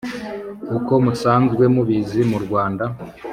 uko musanzwe mubizi mu rwanda,